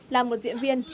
là một diễn viên